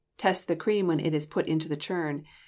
Test the cream when it is put into the churn.